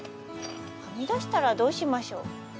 はみ出したらどうしましょう？